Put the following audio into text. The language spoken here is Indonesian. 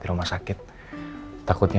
di rumah sakit takutnya